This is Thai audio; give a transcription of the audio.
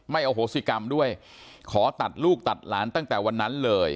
อโหสิกรรมด้วยขอตัดลูกตัดหลานตั้งแต่วันนั้นเลย